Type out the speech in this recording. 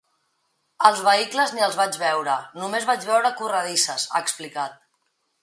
Els vehicles ni els vaig veure, només vaig veure corredisses, ha explicat.